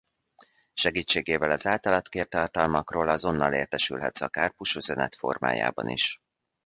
Segítségével az általad kért tartalmakról azonnal értesülhetsz akár push üzenet formájában is.